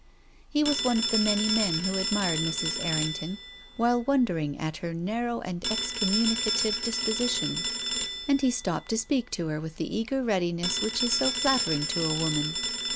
He was one of the many men who admired Mrs. Errington while wonder ing at her narrow and excommunicative disposi tion. And he stopped to speak to her with the eager readiness which is so flattering to a woman.